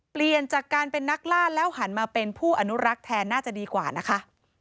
เปลี่ยนจากการเป็นนักล่าแล้วหันมาเป็นผู้อนุรักษ์แทนน่าจะดีกว่านะคะ